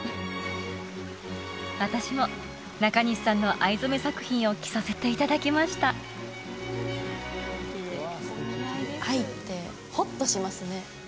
私も中西さんの藍染め作品を着させていただきました藍ってホッとしますね